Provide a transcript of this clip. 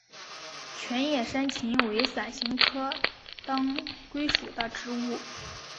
全叶山芹为伞形科当归属的植物。